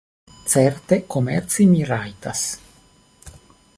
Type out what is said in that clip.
Certe, komerci mi rajtas.